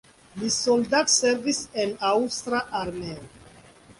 Li soldatservis en aŭstra armeo.